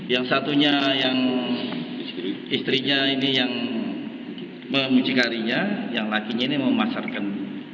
yang satunya istrinya ini yang memuji karinya yang lakinya ini memasarkan